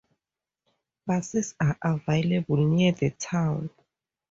Buses are available near the town.